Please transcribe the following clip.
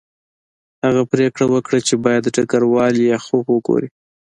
هغه پریکړه وکړه چې باید ډګروال لیاخوف وګوري